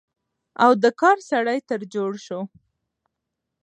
او د کار سړى تر جوړ شو،